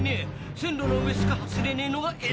線路の上しか走れねえのがＳＬだべ。